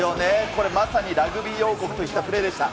これまさにラグビー王国といったプレーでした。